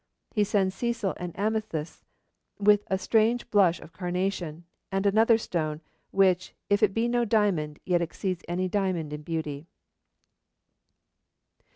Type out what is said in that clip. He sends Cecil an amethyst 'with a strange blush of carnation,' and another stone, which 'if it be no diamond, yet exceeds any diamond in beauty.'